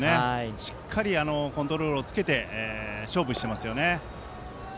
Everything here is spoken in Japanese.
しっかりコントロールをつけて勝負してますよね。